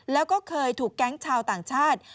แล้วก็เคยถูกแก๊งชาวต่างชาติ